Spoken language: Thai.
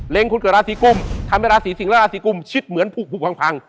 เล็งคนเกิดลาศีกรุ่มทำให้ลาศีและลาศีกรุ่มชิดเหมือนพุกพังพัง